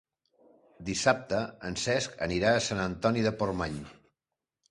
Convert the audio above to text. Dissabte en Cesc anirà a Sant Antoni de Portmany.